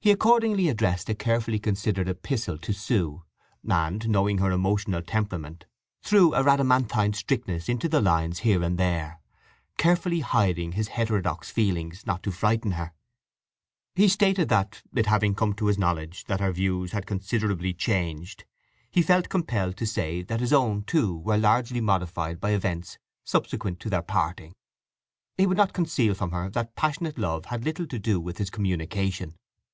He accordingly addressed a carefully considered epistle to Sue, and, knowing her emotional temperament, threw a Rhadamanthine strictness into the lines here and there, carefully hiding his heterodox feelings, not to frighten her. He stated that, it having come to his knowledge that her views had considerably changed, he felt compelled to say that his own, too, were largely modified by events subsequent to their parting. He would not conceal from her that passionate love had little to do with his communication.